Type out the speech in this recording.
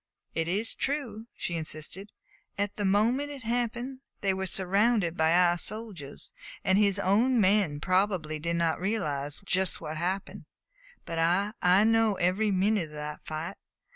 "It is true," she insisted. "At the moment it happened they were surrounded by our soldiers, and his own men probably did not realize just what happened. But I I know every minute of that fight!